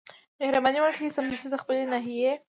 مهرباني وکړئ سمدستي د خپلي ناحيې